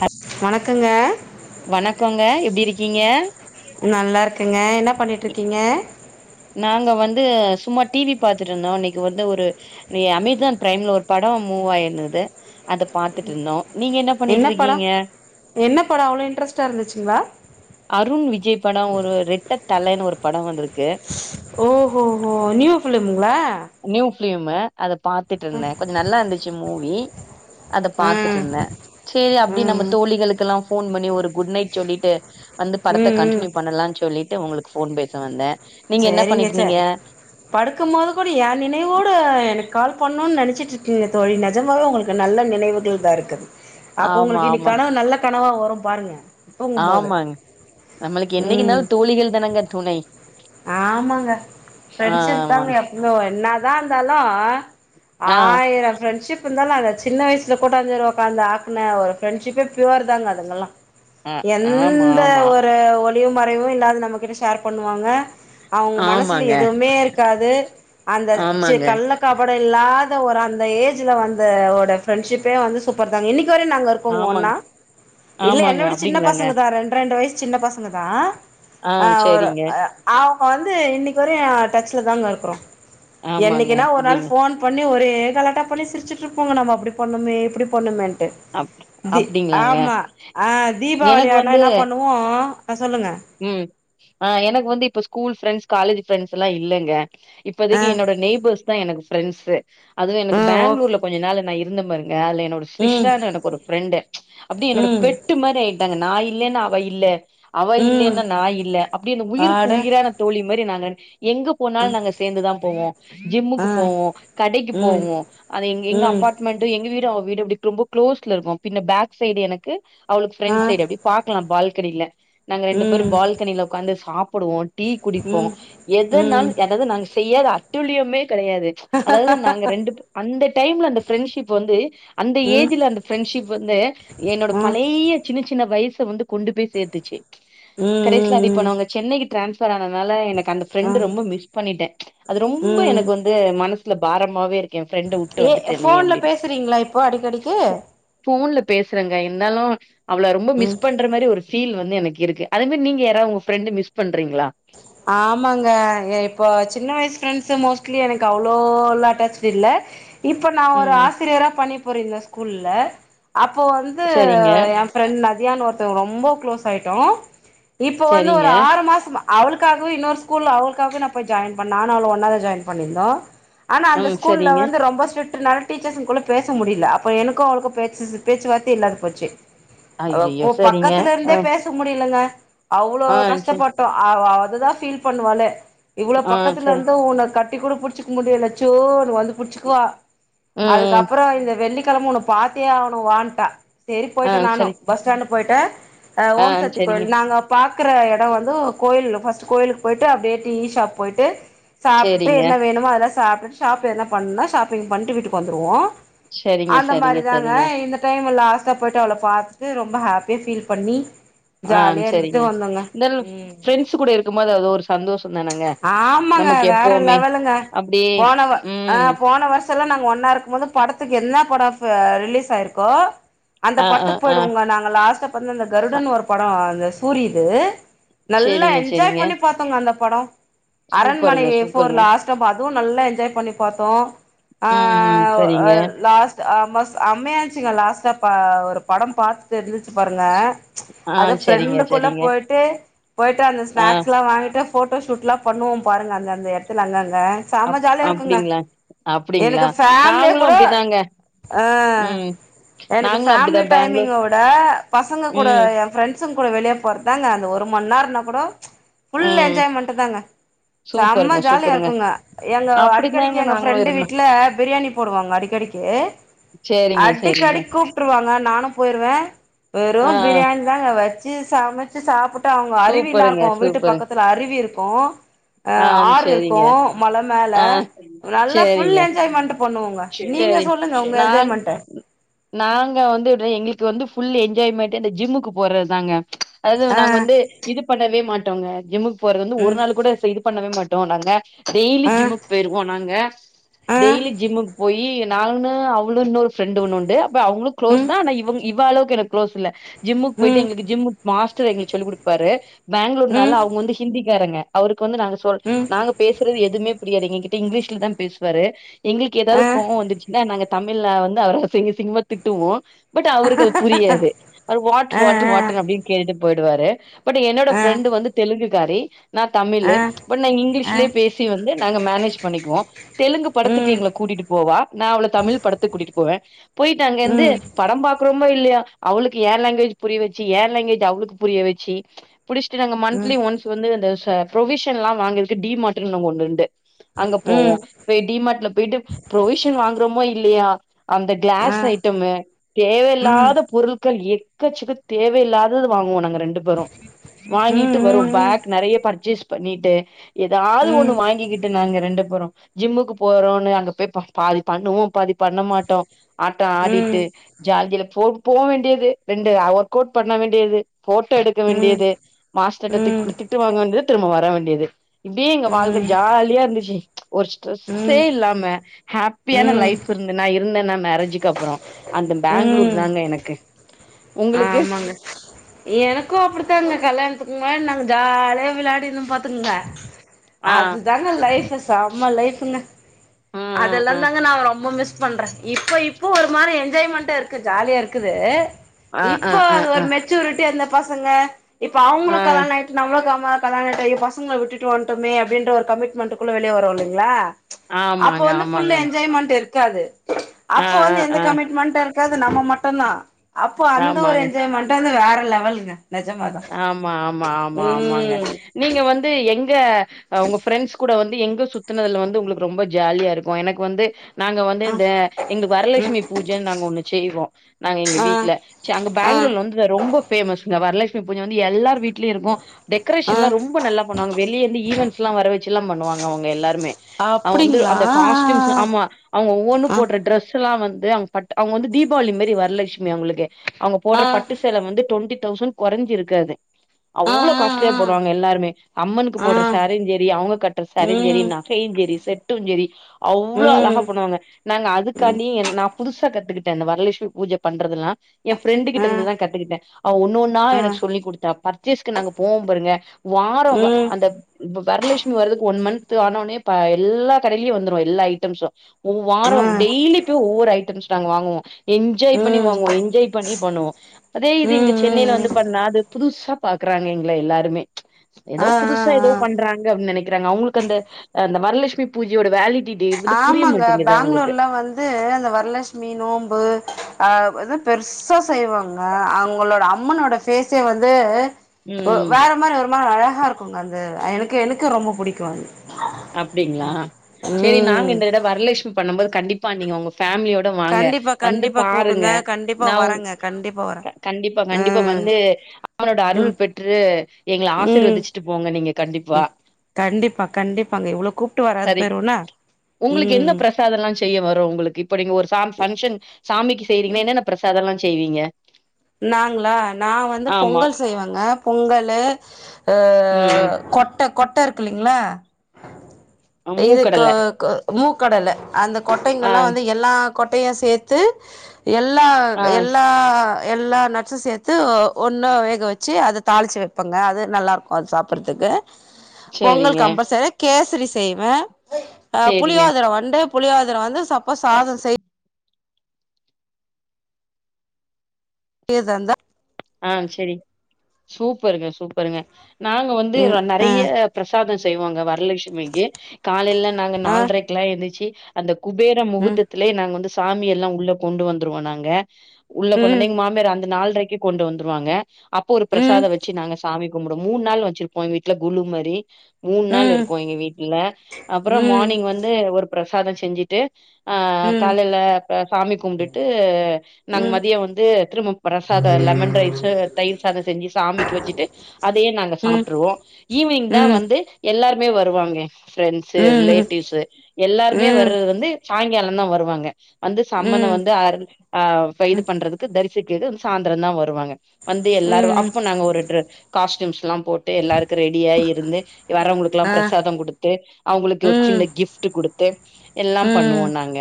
ஹ வணக்கங்க வணக்கங்க எப்டி இருக்கீங்க நல்லாருக்கங்க என்ன பண்ணிட்டிருக்கீங்க நாங்க வந்து சும்மா டி வி பாத்துட்டு இருந்தோ இன்னைக்கு வந்து ஒரு ரே அமேசான் பிரைம்ல ஒரு படோ மூவ் ஆயிருந்தது அத பாத்துட்டு இருந்தோ நீங்க பண்ணிட்டு என்ன படோ இருக்கீங்க என்ன படோ அவ்ளோ இன்ட்ரெஸ்ட்டா இருந்துச்சுங்ளா அருண் விஜய் படோ ஒரு ரெட்ட தலன்னு ஒரு படோ வந்திருக்கு ஓ ஹோ ஹோ நியூ ஃபிலிம்ங்களா நியூ ஃபிலிமு அத பாத்துட்டு இருந்தே கொஞ்ச நல்லா இருந்துச்சி மூவி அத பாத்துட்டு ம் இருந்தே சேரி அப்டி நம்ம ம் தோழிகளுக்கெல்லா ஃபோன் பண்ணி ஒரு குட் நைட் சொல்லிட்டு வந்து படத்த ம் ம் கண்டினியூ பண்ணலானு சொல்லிட்டு உங்களுக் ஃபோன் பேச வந்தே நீங்க என்ன பண்ணிட்டு சேரிங்கச்ச இருந்தீங்க படுக்கும்போது கூட எயா நினைவோடு எனக்கு கால் பண்ணோன்னு நெனைச்சிட்டு இருக்கீங்க தோழி நெஜமாவே உங்களுக் எனக் நல்ல நினவுகள் தா இருக்கு அப்போ ஆமா உங்களுக்கு இன்னைக்கு ஆமா கனவு நல்ல கனவா வரும் பாருங்க தூங்கும்போது ஆமாங்க நம்மளுக்கு என்னைக்கி ம் நாளு தோழிகள் தானங்க துணை ஆமாங்க ஃப்ரெண்ட்ஷிப் தாங்க ஆமாங்க எப்பவுமே என்னாதா இருந்தாலு ஆ ஆயிரோ ஃப்ரெண்ட்ஷிப் ப்பு இருந்தாலு அந்த சின்ன வயசுல கூட்டாஞ்சோரு ஒக்காந்து ஆக்குன ஒரு ஃப்ரெண்ட்ஷிப்பே பியூர் தாங்க அதெல்லா ஆ ஆமா எந்த ஆமா ஒரு ஒளிவு மறைவு இல்லாது நம்ம கிட்ட ஷேர் பண்ணுவாங்க அவுங்க மனசுல ஆமாங்க எதுவுமே இருக்காது அந்த ச ஆமாங்க கள்ள கபடோ இல்லாத ஒரு அந்த ஏஜ்ல வந்த ஒரு ஃபிரெண்ட்ஷிப்பே சூப் சூப்பர்தாங்க இன்னைக்கி வரையு நாங்க இருக்கங்க ஆமாங்க ஒன்னா இல்ல என்ன ஆமாங்க விட சின்ன அப்டிங்களாங்க பசங்க தா ரெண் ரெண்டு வயசு சின்ன பசங் சங்க தா ஆ அ ஒரு சரிங்க அ அவுங்க வந்து இன்னிக்கி வரையு டச்சுல தாங்க இருக்குறோ ஆமாங்க என்னைக்கினா ஒரு நாள் அப்டிங்க ஃபோன் பண்ணி ஒரேகலாட்டா பண்ணி சிரிச்சிட்டு இருப்போங்க நம்ம அப்டி பண்ணமே இப்டி பண்ணமேன்ட்டு அப் தி அப்டிங்களாங்க ஆமா ஆமா தீபாவளி எனக்கு ஆனா வந்து என்ன பண்ணுவோ ஆ சொல்லுங்க ம் ஆ எனக்கு வந்து இப்ப ஸ்கூல் ஃப்ரெண்ட்ஸ் காலேஜ் ஃப்ரெண்ட்ஸ்லா இல்லங்க ஆ இப்பதைக்கு என்னோட நெய்பர்ஸ்தா எனக்கு ஃப்ரெண்ட்ஸ்சு அதுவு எனக்கு ம் ஓ பெங்ளூர்ல கொஞ்ச நாளு நா இரு இருந்த பாருங்க அதுல என்னோட ம் ஷிஸ்ஸான்னு எனக்கு ஒரு ஃப்ரெண்டு அப்டி என்னோட ம் பெட் பெட்டு மாரி ஆயிட்டாங்க நா இல்லன்னா அவே இல்ல அவே ம் இல்லன்னா நா இல்ல அப்டின் உயிருக்கு அட உயிரான தோழி மாரி நாங்க எங்கப் எங்க போனாலு ம் நாங்க சேந்துதா போவோ ஆ ஜிம்முக்கு போவோ கடைக்கு ம் போவோ அது இங்க எங்க ம் அப்பார்ட்மெண்ட் எங்க வீடு அவ வீடு அப்டி ரொம்ப க்ளோஸ்ல இருக்கு பின்ன பேக் சைடு எனக்கு அவளுக்கு ஆ ஃப்ரண்ட் சைடு அப்டி பாக்கலா பால்கனில நாங்க ரெண்டு பேரு ம் பால்கனில உக்காந்து சாப்புடுவோ டீ குடிப்போ ம் ம் எதனால அதாது நாங்க செய்யாத அட்டுலியமே கெடையாது அதாவது நாங்க ரெண்டு அந்த டைம்ல அந்த பிரெண்ட்ஷிப் வந்து அந்த ம் ம் ஏஜ்ல அந்த ஃப்ரெண்ட்ஷிப் வந்து என்னோட ம் பழைய சின்ன சின்ன வயசை வந்து கொண்டு போய் சேத்துச்சு ம் லிஸ்ட்லா ரெடி ம் ம் பண்ணாங்க சென்னைக்கு டிரான்ஸ்பர் ஆனனால எனக்கு அந்த ஆ ஃப்ரெண்டு ரொம்ப மிஸ் பண்ணிட்டே அது ரொம்ப ம் எனக்கு வந்து மனசுல பாரமாவே இருக் எ ஃப்ரெண்ட வுட்டு ஏ வந்துட்டனே ஃபோன்ல அப்டின் பேசுறீங்களா இப்போ அடிக்கடிக்கு போன்ல பேசுறங்க இருந்தாலு அவள ரொம்ப ம் மிஸ் பண்ற மாறி ஒரு ஃபீல் வந்து எனக்கு இருக்கு அது மாறி நீங்க யாரையா உங்க ஃப்ரெண்டு மிஸ் பண்றீங்களா ஆமாங்க இப்போ சின்ன வயசு ஃப்ரெண்ட்ஸ் மோஸ்ட்லி எனக்கு அவ்ளோலா அட்டாச் இல்ல இப்போ நா ஒரு ம் ஆசிரியரா பணி புரிந்த ஸ்கூல்ல அப்போ வந்து சரிங்க எ ஃபிரண்ட் நதியான் ஒருத்தங்க ரொம்ப க்ளோஸ் ஆயிட்டொ இப்ப வந்து சரிங்க ஒரு ஆறு மாசமா அவளுக்கு க்காகவே இன்னொரு ஸ்கூல அவளுக்காகவே போய் ஜாயின் பண்ண நானு அவளு ஒன்னாதா ஜாயின் பண்ணிருந்தோ ஆனா அந்த ம் ஸ்கூல சரிங்க வந்து ரொம்ப ஸ்டிகிக்ட் நாள டீச்சர்ஸ குள்ள பேச முடியல அப்ப எனக்கு அவளுக்கு பேச்சு பேச்சுவார்த்தையே இல்லாம போச்சு ஐய்யய்யோ அவ சரிங்க பக்கத்துல அ இருந்தே பேச ச முடியலங்க அவ்ளோ ஆ சரி கஷ்டப்பட்டோ அதுதா ஃபீல் பண்ணுவாலே இவ்ளோ ஆ பக்கத்துல சரி இருந்து உன்ன கட்டி கூட புிடிச்சிக்க முடியல சோ வந்து புச்சுக்குவா ம் ம் அதுக்கப்பற இந்த வெள்ளிக்கெழமை உன்ன பாத்தே ஆவனு வான்ட்டா சரி ஆ போய்ட்ட நானு சரி பஸ் ஸ்டாண்டு போயிட்ட ஆ ஓம் சக்தி சரிங்க கோவில் நாங்க பாக்கற எடம் வந்து கோயில் ஃபஸ்ட் கோயிலுக்கு போயிட்டு அப்டியே டி ஷாப் போயிட்டு சாப்ட்டுட்டு சரிங்க என்ன வேணுமோ அதல்லா சாப்ட்டுட்டு ஷாப் என்ன பண்ணுனா ஷாப்பிங் பண்ட்டு வீட்டுக்கு வந்துறுவோ சரிங்க அந்த சரிங்க மாரி தாங்க சரிங்க இந்த டைம் லாஸ் கப்பட்டு அவள பாத்துட்டு ரொம்ப ஹாப்பியா ஃபீல் பண்ணி ஆ ஜாலியா இருந்துட்டு சரிங்க வந்தோங்க இருந்தாலு ம் ஃபிரெண்ட்ஸ் கூட இருக்கும் போது அது ஒரு சந்தோஷ தானங் ஆமாங்க வேற லெவலுங்க அப்டியே போன ஆ ம் போன வருஷ சல்லா நாங்க ஒன்ன இருக்கும் போது படத்துக்கு என்ன பட ரிலீஸ் ஆயிருக்கோ அந்த ஆ ஆ படத்துக்கு ஆ போயிடுவோங்க நாங்கல்லா லாஸ்டா பாத் அந்த அ கருடன் ஒரு படொ அந்த சூரி இது நல்லா சரிங்க என்ஜாய் சரிங்க பண்ணி பாத்தோங்க அந்த படொ அரண்மனை சூப்பருங்க ஃபோர் சூப்பருங்க. லாஸ் சபா அதுவு நல்லா என்ஜாய் பண்ணி பாத்தோ ம், ம். சரிங்க. லாஸ்ட் அமா செம்மையா இருச்சுங்க லாஸ்டா ப ஒரு படம் பாத்துட்டு இருந்துச்சு பாருங்க ஆ அத சரிங்க, ஃபிரண்டுக்குள்ள சரிங்க. போயிட்டு போயிட்டு அந்த ஆ ஸ்நாக்ஸ் எல்லா வாங்கிட்டு ஃபோட்டோ ஷூட்லா பண்ணுவோ பாருங்க அந்த அந்த எடத்துல அங்கங்க சம அப் ஜாலியா இருக்குங்க அப்டிங்களா? அப்டிங்களா? எனக்கு ஃபேமிலிய நாங்களும் கூட அப்டிதாங்க. அ ம். எனக்கு நாங்களும் ஃபேமிலி அப்டிதான் பெங்களூர் டைமிங்க வுட பசங்க கூட ம், எ ஃபிரெண்ட் சுங் கூட வெளிய போறதாங்க அந்த ஒரு மண் நேரனா கூட ம் என்ஜாய் மண்டுதாங்க செம்ம சூப்பருங்க, ஜாலியா சூப்பருங்க. இருக்குங்க எங்க அப்டிதாங்க அடிக்கடிக்கு எங்க நாங்களும் ஃப்ரெண்டு இருந்தோம். வீட்ல பிரியாணி போடுவங்க அடிக்கடிக் கே சரிங்க, சரிங்க. அடிக்கடிக் கூப்ட்டுருவாங்க நானு போயிருவே வெறு ஆ, ஆ. பிரியாணி ங்க வச்சு சமச்சு சாப்புட்டு அவங்க அருவில்லா சூப்பருங்க, இருக்கு அவ வீட்டு சூப்பருங்க. பக்கத்துல அருவி இருக்கு அ ஆ ஆறு இருக்கு சரிங்க. மல மேல ஆ நல்லா ஃபுல் சரிங்க. என்ஜாய்மெண்ட் பண்ணுவோங்க நீங்க சரி. சொல்லுங்க உங்க என்ஜாய்மென்ட நாங் நாங்க வந்து எங்களுக்கு வந்து புல் என்ஜாய்மெண்ட்டே அந்த ஜிம்முக்கு போறதுதாங்க அது வந்து ஆ நாங்க வந்து இது பண்ணவே மாட்டோங்க ஜிம்முக்கு போறது வந்து ஒரு ம் நாள் கூட இது பண்ணவே மாட்டோ நாங்க டெய்லி ஆ ஜிம்முக்கு போயிருவோ நாங்க ஆ டெய்லி ஜிம்முக்கு போயி நானு அவளு இன்னொரு பிரெண்ட்டு ஒன்னு உண்டு அப்ப அவங்களு ம் க்ளோஸ்தா ஆனா இவங் இவ அளவுக்கு குளோஸ் இல்ல ஜிம்முக்கு போயிட்டு ம் எங்களுக்கு ஜிமுக்கு மாஸ்ட் ர் எங்குளுக்கு சொல்லி கொடுப்பாரு ம் பெங்களூர்னால அவங்க வந்து ஹிந்திக்காரங்க அவருக்கு வந்து நாங்க சொல் ம் நாங்க பேசுறது எதுமே புரியாது எங்க கிட்ட இங்கிலீஷ்ல தா பேசுவாரு எங்களுக்கு ஏதாவது ஆ கோவோ வந்துச்சுன்னா நாங்க தமிழ்ல வந்து அவர அசிங்க அசிங்கமா திட்டுவோ பட் அவருக்கு அது புரியாது அவுரு வாட் ஆ ஆ வாட் வாட்டு அப்படின்னு கேட்டு போயிடுவாரு பட் என்னோட ஆ ஃப்ரெண்டு் வந்து தெலுங்குக்காரி நா ஆ தமிழு பட் நாங்க ஆ இங்கிலீஷ்லயே பேசி சி வந்து நாங்க மேனேஜ் பண்ணிக்குவோ தெலுங்கு படத்துக்கு ம் எங்களை கூட்டிட்டு போவா நா அவள தமிழ் படத்துக்கு கூட்டிட்டு போவே போயிட்டு அங்க இருந்து ம் படம் பாக்குறோமோ இல்லையோ அவளுக்கு ஏ லேங்குவேஜ் புரிய வச்சு ஏன் லேங்குவேஜ் அவளுக்கு புரிய வெச்சு புடிச்சிட்டு நாங்க ம் மந்திலி ஒன்ஸ் வந்து அந்த ச ப்ரொவிஷன் எல்லா வாங்குறதுக்கு டி மார்ட்டுனு அங்க ஒண்ணு உண்டு அங்க போவோ ம் இப்ப டி மார்ட்ல போயிட்டு ப்ரொவிஷன் வாங்குறோமோ இல்லையோ அந்த ஆ கிளாஸ் ஐட்டமு ம் தேவையில்லாத பொருட்கள் எக்கச்சக்கோ தேவையில்லாதது வாங்குவோ நாங்க ரெண்டு பேரு வாங்கிட்டு ம் வருவோ ம் ம் பேக் நெறைய பர்ச்சேஸ் பண்ணிட்டு ஏதாவது ம் ம் ஒண்ணு வாங்கிக்கிட்டு நாங்க ரெண்டு பேரு ஜிம்முக்கு போறோனு அங்க போய் பா பாதி பண்ணுவோ பாதி பண்ண மாட்டோ ஆட்ட ம் ஆடிட்டு ஜார்ஜையில போட் போக வேண்டியது ரெண்டு ஒர்க் அவுட் பண்ண வேண்டியது போட்டோ எடுக்க ம் வேண்டியது மாஸ்டர்ட திட் ம் ம் திட்டு வாங்க வேண்டியது திரும்ப வர வேண்டியது இப்படியே எங்க வாழ்க ஜாலியா இருந்துச்சு ம்ச் ஒரு ஸ்ட்ரெஸ்ஸே ம் இல்லாம ஹாப்பியான லைஃப் இருந்தே நா இருந்தேன்னா மேரேஜுக்கு அப்புறோ அந்த பெங்களூர் ம் தாங்க எனக்கு உங்களுக்கு ஆமாங்க எனக்கு அப்படித்தாங்க கல்யாணத்துக்கு முன்னாடி நாங்க ஜாலியா விளாடி இருந்த பாத்துக்கோங்க ஆ அதுதாங்க லைஃப்பு செம்ம லைஃபுங்க ம் ம் அதெல்லா ம் தாங்க நா ரொம்ப மிஸ் பண்றே இப்ப இப்போ ஒரு மாறி என்ஜாய்மெண்ட இருக்கு ஜாலியா இருக்குது ஆ ஆ இப்போ ஆ அது ஆ ஒரு மெச்சூரிட்டி அந்த பசங்க இப்ப ஆ அவங்களுக்கு கல்யாண ஆயிரு நம்மளக்காம கல்யாண ஆயிட்டு பசங்கள விட்டுட்டு வண்டோமே அப்படின்ற ஒரு கமிட்மெண்ட்டுகுள்ள வெளியே வரோ இல்லைங்களா அப்போ ஆமாங்க, வந்து ஆமாங்க. புல் என்ஜாய்மெண்ட் இருக்கு இருக்காது ஆ, அப்போ ஆ, வந்து எந்த ஆ. கமிட்மெண்டு இருக்காது நம்ம மட்டும்தா அப்போ அந்த ஒரு ஆமாங்க. என்ஜாய்மெண்டு வந்து வேற லெவலுங்க நெஜமாதா ஆமா ஆமா ஆமா ஆமாங்க ம் நீங்க வந்து எங்க உங்க ஃப்ரெண்ட்ஸ் கூட வந்து எங்க சுத்துனதுல வந்து உங்களுக்கு ரொம்ப ஜாலியா இருக்கு எனக்கு வந்து நாங்க வந்து ஆ இந்த எங்க ம் வரலட்சுமி பூஜேனு நாங்க ஒன்னு செய்வோ நாங்க எங்க ஆ வீட்டுல அங்க ஆ பெங்களூர்ல வந்து ரொம்ப பேமஸ்சுங்க வரலட்சுமி பூஜே வந்து எல்லார் வீட்லயு இருக்கு ஆ டெக்கரேஷன்லா ரொம்ப நல்ல பண்ணுவாங்க வெளியிருந்து ஈவெண்ட்ஸ்ல்லா வர வெச்சு செல்லா பண்ணுவாங்க அவங்க எல்லாருமே அவுங்க வந்து அப்டிங்களா அந்த ஆ காஸ்டூம்ஸ் ஆ ஆ ஆமா அவுங்க ஒவ்வொன்னு ஆ போடுற டிரெஸ் ஆக்சுவலா வந்து அவுங்க பட்டு அவுங்க வந்து தீபாவளி மாறி வரலட்சுமி அவுங்களுக்கு அவுங்க ஆ போடுற பட்டு சே சேல வந்து டுவண்டி தௌசண்ட் குறஞ்சு இருக்காது ஆ அவ்ளோ ஆ காஸ்ட்லியா ஆ போட்றாங்க எல்லாருமே அம்மனுக்கு ஆ போட்ற சாரியும் ஜரி அவுங்க கட்ற சாரியும் ஜரி ம் நகையும் ஜரி செட் டும் ஜரி அவ்ளோ அழகா ம் பண்ணுவாங்க நாங்க ம் அதுக்காண்டி நா புதுசா கத்துக்கிட்டே இந்த வரலஷ்மி பூஜ பண்றதுனா என் ஃபிரண்டு கிட்ட ஆ இருந்துதா கத்துக்கிட்டேன் அவ ஒன்னொ ன்னா ஆ எனக்கு ம் சொல்லி குடுத்தா பர்ச்சேஸ்கு நாங்க போவோம் பாருங்க வார வா அந்த இப்ப வரலஷ்மி வரதுக்கு ஒன் மன்த் ஆனோனே இப்ப எல்லா கடைலயு வந்துரு எல்லா ஐட்டம்ஸு ஆ வாரம் டெய்லி போய் ஒவ்வொரு ஐட்டம்ஸ் நாங்க வாங்குவோ என்ஜாய் ம் பண்ணி ம் வாங்குவோ என்ஜாய் பண்ணி பண்ணுவோ அதே இது ம் இங்க சென்னையில வந்து ம் பண்ணா அத புதுசா பாக்கறாங்க எங்கள எல்லாருமே ஏதோ ஆ ஆ புதுசா ஏதோ ஆ பண்றாங்க அப்டின்னு நனைக்கறாங்க அவுங்களுக்கு அந்த அந்த வரலஷ்மி பூஜையோட வேல்யு ஆமாங்க பெங்களூர்லா வந் து அந்த வரலஷ்மி நோன்பு அ இது பெர்சா செய்வாங்க அவுங்களோட அம்மனோட ஃபேஸே வந்து ம் வேற மாறி ஒரு மாறி அழகா இருக்கு ங்க அது எனக்கு எனக்கு ரொம்ப புடிக்கு அது அப்டிங்களா சரி நாங்க ம் இந்த தடவ வரலஷ்மி பண்ணும் போது கண்டிப்பா நீங்க உங்க ஃபேம்லியோட வாங்க கண்டிப்பா வந்து கண்டிப்பா பாருங்க கூப்டுங்க கண்டிப்பா நா உங் வரேங்க கண்டிப்பா வரே கண்டிப்பா ஆ கண்டிப்பா வந்து அம்மனோட ம் அருள் பெற்று எங்கள ம் ஆசிர்வதிச்சுட்டு போங்க நீங்க கண்டிப்பா ம் கண்டிப்பா கண்டிப்பாங்க இவ்ளோ கூப்ட்டு வராத போயிருவனா ம் பிரசாதல்லா செய்ய வரும் உங்களுக்கு இப்போ நீங்க ஒரு சாமி பங்க்ஷன் சாமிக்கு செய்றீங்கன்னா என்னென்ன பிரசாதம்லா செய்வீங்க நாங்களா நா வந்து ஆமா பொங்கல் செய்வேங்க பொங்கலு அ ம் கொட்ட கொட் ட இருக்கு இல்லிங்களா ம் இது கா மூக்கடல மூக்கடல அந்த ஆ கொட்டைங்கல்லா வந்து எல்லா கொட்டயும் சேத்து எல்லா ஆ எல்லா எல்லா நட்ஸும் சேத்து ஒன்னா வேக வச்சு அத தாளிச்சு வப்பங்க அது நல்லாருக்கும் அது சாப்பறதுக்கு பொங்கல் சேரிங்க கம்பல்சரி கேசரி செய்வே அ சேரிங்க புளியோதர வந்து புளியாதர வந்து சப்போஸ் சாதம் செய் ஏதுந்த ஆன் செரி சூப்பருங்க சூப்பருங்க நாங்க வந்து ம் ஆ நறைய பிரசாதம் செய்வோங்க வரலஷ்மிக்கு காலேல நாங்க ஆ நால்ரைக்லா ஏந்திரிச்சு அந்த குபேர ம் முகுத்தத்துலயே நாங்க வந்து சாமி எல்லா உள்ள கொண்டு வந்துருவோ நாங்க உள்ள கொண்டு வந்த ம் எங்க மாமியார் அந்த நால்ரைக்கு கொண்டு வந்துருவாங்க அப்போ ஒரு ம் பிரசாத வச்சு நாங்க சாமி கும்புடுவோ மூணு நாள் வச்சிருப்போம் எங்க வீட்ல கொலு மாரி மூணு நாள் ம் இருக்கும் எங்க வீட்ல அப்பறம் ம் மார்னிங் வந்து ஒரு பிரசாதம் செஞ்சுட்டு ஆ ம் ம் காலேல சாமி கும்டுட்டு நாங்க ம் மதியம் வந்து திரும்ப பிரசாத் லெமன் ரைஸு தயிர் சாதம் செஞ்சு சாமிக்கு வச்சுட்டு அதயே நாங்க ம் சாப்ட்ருவோம் ஈவினிங் தா வந்து எல்லாருமே வருவாங்க ஃப்ரெண்ட்ஸு ம் ரிலேட்டிவ்ஸு எல்லாருமே ம் வர்றது வந்து சாயிங்காலம் தா வருவாங்க வந்து ம் சம்மன ம் வந்து அற அ சைது பண்றதுக்கு தரிசிக்கது சாந்தரம் தா வருவாங்க வந்து எல்லாரு ம் அப்போ நாங்க ஒரு ட்ரு காஸ்டியூம்ஸ்லாம் போட்டு எல்லாருக்கு ரெடியா இருந்து வர்வங்களுக்கு ஆ ல்லாம் பிரசாதம் குடுத்து அவங்களுக்கு ஒரு ம் சின்ன கிஃப்ட்டு குடுத்து எல்லா ம் பண்ணுவோம் நாங்க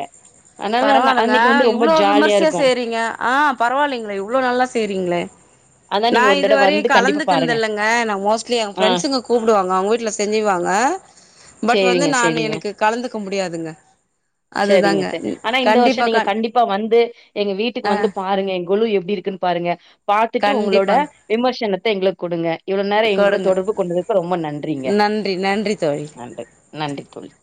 அதனால நா பரவால்லங்க அன்னைக்கு வந்து ரொம்ப இவ்ளோ ஜாலியா விமர்சையா இருக்கு செய்றீங்க ஆ பரவாலீங்களே இவ்ளோ நல்லா செய்றீங்களே அதா நா நீங்க ஒரு தடவ இதுவரை வந்து கண்டிப்பா பாருங்க கலந்துக்குன்தில்லங்க நா மோஸ்ட்லி எங்க ஆ ஃபிரண்ட்ஸ்ங்க கூப்டுவாங்க அவங்க வீட்ல செஞ்சுகுவாங்க பட் வந்து சேரிங்க நான் சேரிங்க எனக்கு கலந்துக்க முடியாதுங்க சரிங்க சரி அதுதாங்க ஆனா இந்த வருஷோ கண்டிப்பா நீங்க கண் கண்டிப்பா வந்து எங்க வீட்டுக்கு ஆ வந்து பாருங்க ஏ கொலு எப்டி இருக்குன்னு பாருங்க பாத்துட்டு உங்களோட கண்டிப்பாங்க விமர்சனத்த எங்களுக்கு குடுங்க இவ்ளோ நேரோ ஏ கூட கொடுங்க தொடர்பு கொண்டதுக்கு ரொம்ப நன்றிங்க நன்றி நன்றி தோழி நன்றி நன்றி தோழி